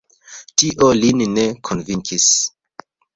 Tio lin ne konvinkis.